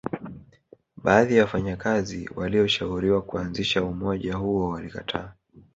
Baadhi ya wafanyakazi walioshauriwa kuanzisha umoja huo walikataa